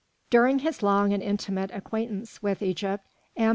During his long and intimate acquaintance with Egypt, M.